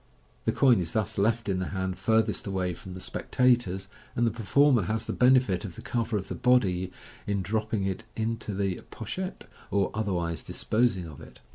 The coin is thus left in the hand farthest away from the spectators, and the performer has the benefit of the cover of the body in dropping it into the pochette, or otherwise disposing of it.